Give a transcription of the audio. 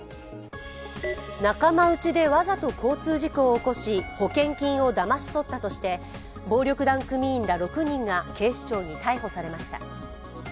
仲間内でわざと交通事故を起こし保険金をだまし取ったとして暴力団組員ら６人が警視庁に逮捕されました。